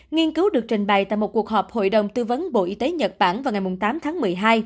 nghiên cứu được trình bày tại một cuộc họp hội đồng tư vấn bộ y tế nhật bản vào ngày tám tháng một mươi hai